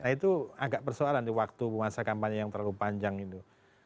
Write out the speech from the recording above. itu agak persoalan di waktu masa kampanye yang terlalu panjang itu